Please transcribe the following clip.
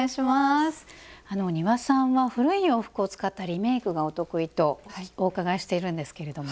丹羽さんは古い洋服を使ったリメイクがお得意とお伺いしているんですけども。